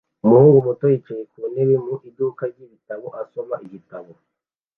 Umuhungu muto yicaye ku ntebe mu iduka ryibitabo asoma igitabo